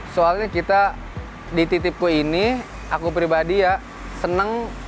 soalnya kita di titipku ini aku pribadi ya seneng